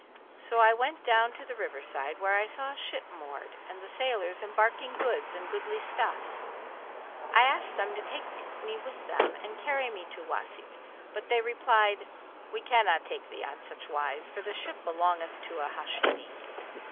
So I went down to the river side, where I saw a ship moored and the sailors embarking goods and goodly stuffs. I asked them to take me with them and carry me to Wбsit; but they replied, 'We cannot take thee on such wise, for the ship belongeth to a Hashimi.'